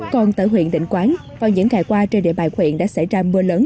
còn tại huyện định quán vào những ngày qua trên địa bàn huyện đã xảy ra mưa lớn